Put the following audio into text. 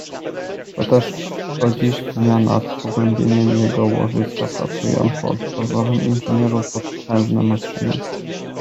Toteż do dziś dnia nad pogłębieniem jego łożyska pracują pod dozorem inżynierów potężne maszyny.